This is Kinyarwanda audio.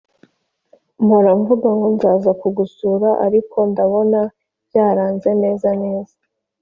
mpora vuga ngo nzaza kugusura ariko ndabona byaranze neza neza